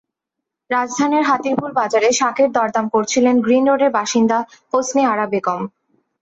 রাজধানীর হাতিরপুল বাজারে শাকের দরদাম করছিলেন গ্রিন রোডের বাসিন্দা হোসনে আরা বেগম।